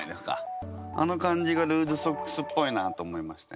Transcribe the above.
あの感じがルーズソックスっぽいなと思いました。